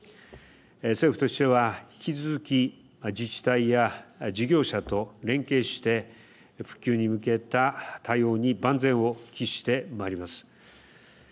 政府としては引き続き、自治体や事業者と連携して復旧に向けた対応に万全を期してまいります。